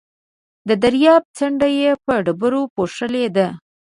د درياب څنډه يې په ډبرو پوښلې ده.